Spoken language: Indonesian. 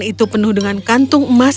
dia berpikir kesukupannya terus